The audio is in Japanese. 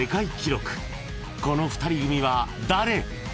［この２人組は誰？］